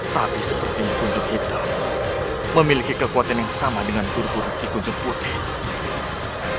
tapi sepertinya kunjung hitam memiliki kekuatan yang sama dengan durku dan si kunjung putih